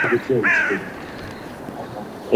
It was named after its eponymous capital.